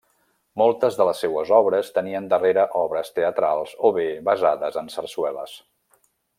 Moltes de les seues obres tenien darrere obres teatrals, o bé basades en sarsueles.